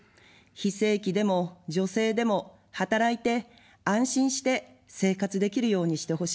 非正規でも女性でも働いて、安心して生活できるようにしてほしい。